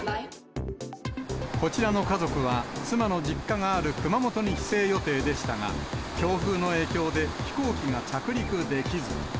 こちらの家族は、妻の実家がある熊本に帰省予定でしたが、強風の影響で飛行機が着陸できず。